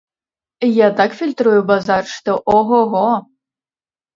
Я так фільтрую базар, што о-го-го!